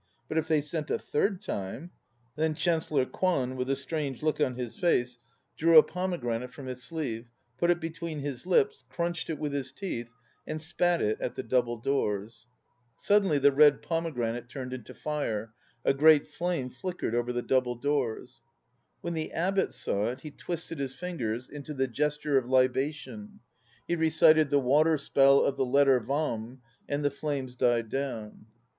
But if they sent a third time ..." Then Chancellor Kwan, with a strange look on his face, drew 1 Sometimes called Bijin zoroye or Bijin zoroi. 2 The cell of the Zen priest. 250 SUMMARIES 251 a pomegranate from his sleeve, put it between his lips, crunched it with his teeth, and spat it at the double doors. Suddenly the red pomegranate turned into fire; a great flame flickered over the double doors. When the Abbot saw it, he twisted his fingers into the Gesture of Libation; he recited the Water Spell of the Letter Yam, and the flames died down.